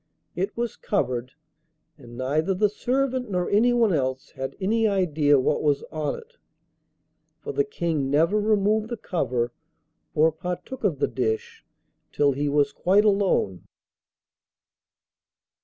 It was covered, and neither the servant nor anyone else had any idea what was on it, for the King never removed the cover or partook of the dish, till he was quite alone.